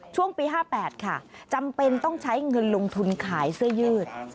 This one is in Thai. ช่วงปี๕๘ค่ะจำเป็นต้องใช้เงินลงทุนขายเสื้อยืด